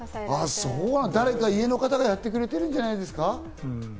家の方がやってくれてるんじゃないですか？